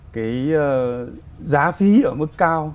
cái giá phí ở mức cao